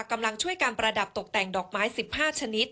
กำลังช่วยการประดับตกแต่งดอกไม้๑๕ชนิด